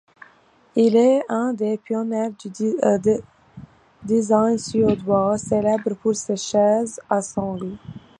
Il est un des pionniers du design suédois, célèbre pour ses chaises à sangles.